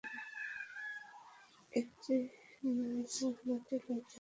একটি লইলে অন্যটিকে লইতেই হইবে।